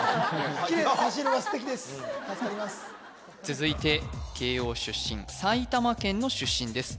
続いて慶應出身埼玉県の出身です